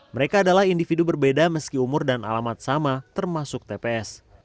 mereka adalah individu berbeda meski umur dan alamat sama termasuk tps